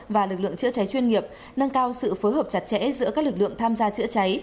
và lực lượng chữa cháy chuyên nghiệp nâng cao sự phối hợp chặt chẽ giữa các lực lượng tham gia chữa cháy